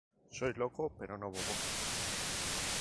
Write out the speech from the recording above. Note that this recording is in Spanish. Soy loco pero no bobo".